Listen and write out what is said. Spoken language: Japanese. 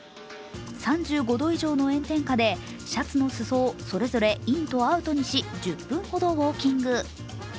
３５度以上の炎天下でシャツの裾をそれぞれインとアウトにし、１０分ほどウオーキング。